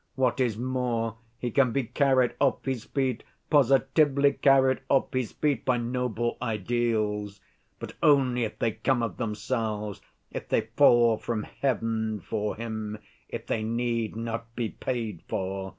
What is more, he can be carried off his feet, positively carried off his feet by noble ideals, but only if they come of themselves, if they fall from heaven for him, if they need not be paid for.